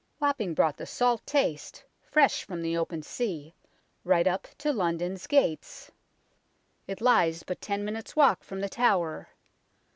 Wapping brought the salt taste, fresh from the open sea, right up to London's gates it lies but ten minutes' walk from The Tower.